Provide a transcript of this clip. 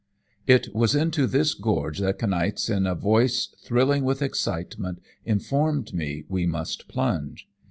"It was into this gorge that Kniaz in a voice thrilling with excitement informed me we must plunge.